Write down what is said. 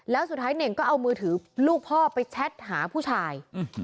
แล้วสุดท้ายเน่งก็เอามือถือลูกพ่อไปแชทหาผู้ชาย